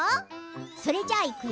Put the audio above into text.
それじゃあ、いくよ！